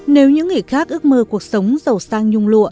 nếu những người khác ước mơ cuộc sống giàu sang nhung lụa